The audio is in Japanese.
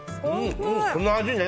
この味ね！